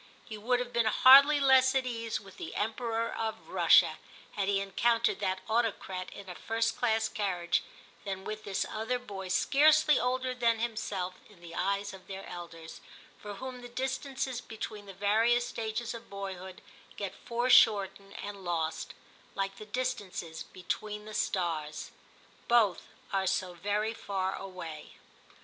He would have been hardly less at ease with the Emperor of Russia, had he encountered that autocrat in a first class carriage, than with this other boy scarcely older than himself in the eyes of their elders, — for whom the dis tances between the various stages of boyhood get foreshortened and lost, like the distances between the stars ; both are so very far away.